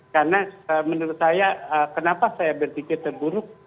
karena menurut saya kenapa saya berpikir terburuk